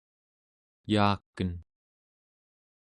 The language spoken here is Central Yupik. yaaken